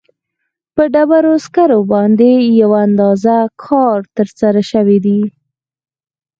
په ډبرو سکرو باندې یو اندازه کار ترسره شوی دی.